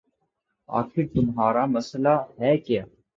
آخر تمہارا مسئلہ ہے کیا